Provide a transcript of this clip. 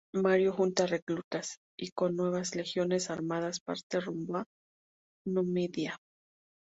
Mario junta reclutas y, con nuevas legiones armadas, parte rumbo a Numidia.